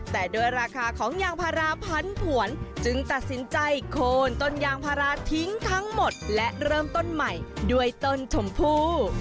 แต่ด้วยราคาของยางพาราพันผวนจึงตัดสินใจโคนต้นยางพาราทิ้งทั้งหมดและเริ่มต้นใหม่ด้วยต้นชมพู